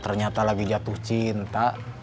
ternyata lagi jatuh cinta